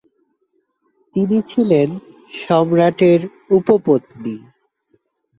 তিনি ছিলেন সম্রাটের উপপত্নী।